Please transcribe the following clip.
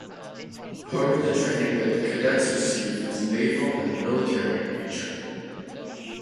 Part of the training that the cadets receive is naval and military in nature.